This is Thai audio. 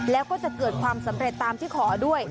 แล้วก็จะเกิดความสำเร็จตามที่ขอด้วย